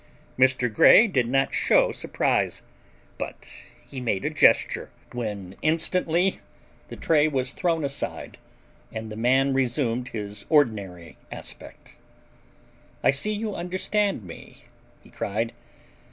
Mr. Grey did not show surprise, but he made a gesture, when instantly the tray was thrown aside and the man resumed his ordinary aspect. "I see you understand me," he cried.